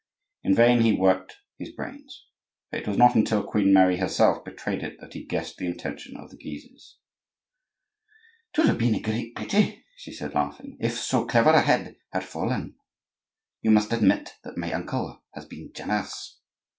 In vain he worked his brains, for it was not until Queen Mary herself betrayed it that he guessed the intention of the Guises. "'Twould have been a great pity," she said laughing, "if so clever a head had fallen; you must admit that my uncle has been generous."